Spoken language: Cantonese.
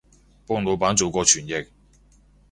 幫腦闆做過傳譯